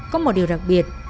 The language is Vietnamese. có một điều đặc biệt